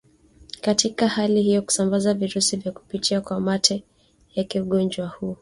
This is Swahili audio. katika hali hiyo kusambaza virusi hivyo kupitia kwa mate yake Ugonjwa huu